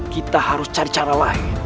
kita harus cari cara lain